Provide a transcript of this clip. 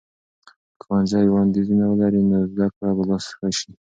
که ښوونځي وړاندیزونه ولري، نو زده کړه به لا ښه سي.